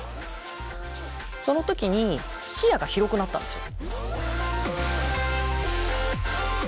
その時に視野が広くなったんですよ。